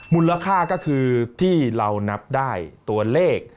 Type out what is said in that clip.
มูลค่าก็คือที่เรานับได้ตัวเลข